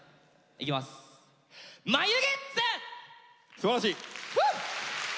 すばらしい。